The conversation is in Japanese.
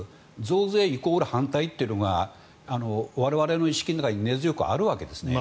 増税イコール反対というのが我々の意識の中に根強くあるわけですね。